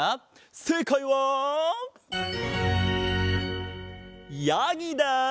せいかいはやぎだ！